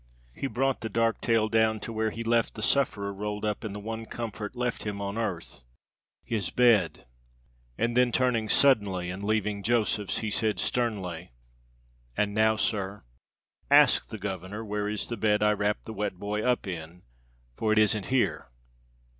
He brought the dark tale down to where he left the sufferer rolled up in the one comfort left him on earth, his bed; and then turning suddenly and leaving Josephs he said sternly: "And now, sir, ask the governor where is the bed I wrapped the wet boy up in, for it isn't here."